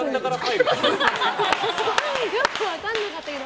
よく分からなかったけど。